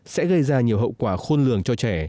sẽ gây ra nhiều hậu quả khôn lường cho trẻ